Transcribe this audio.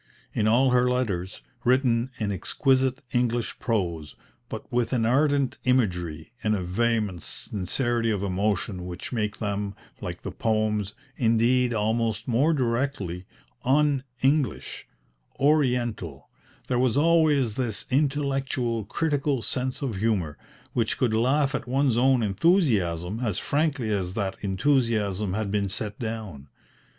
In all her letters, written in exquisite English prose, but with an ardent imagery and a vehement sincerity of emotion which make them, like the poems, indeed almost more directly, un English, Oriental, there was always this intellectual, critical sense of humour, which could laugh at one's own enthusiasm as frankly as that enthusiasm had been set down.